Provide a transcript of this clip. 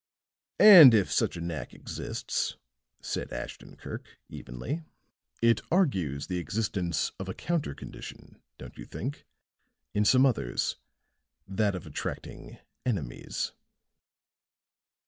"And if such a knack exists," said Ashton Kirk, evenly, "it argues the existence of a counter condition, don't you think, in some others that of attracting enemies?"